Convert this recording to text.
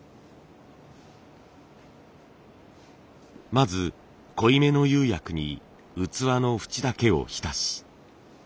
まず濃いめの釉薬に器の縁だけを浸し。